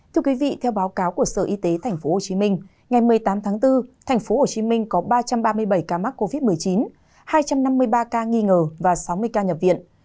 thưa quý vị theo báo cáo của sở y tế tp hcm ngày một mươi tám tháng bốn tp hcm có ba trăm ba mươi bảy ca mắc covid một mươi chín hai trăm năm mươi ba ca nghi ngờ và sáu mươi ca nhập viện